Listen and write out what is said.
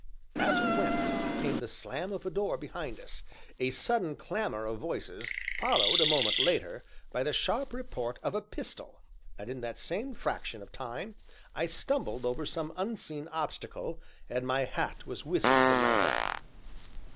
As we went, came the slam of a door behind us a sudden clamor of voices, followed, a moment later, by the sharp report of a pistol, and, in that same fraction of time, I stumbled over some unseen obstacle, and my hat was whisked from my head.